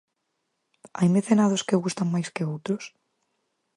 ¿Hai mecenados que gustan máis que outros?